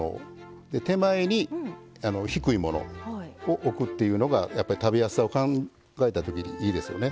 手前に低いものをおくっていうのがやっぱり食べやすさを考えた時にいいですよね。